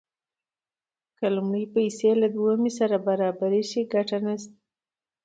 که لومړنۍ پیسې له دویمې سره برابرې شي ګټه نشته